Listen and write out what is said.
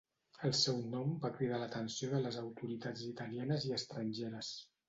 El seu nom va cridar l'atenció de les autoritats italianes i estrangeres.